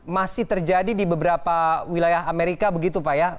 masih terjadi di beberapa wilayah amerika begitu pak ya